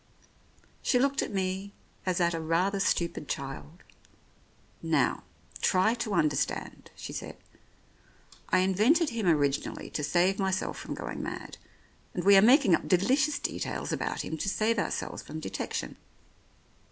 She looked at me as at a rather stupid child. "Now, try to understand," she said. "I invented him originally to save myself from going mad, and we are making up delicious details about him to save ourselves from detection.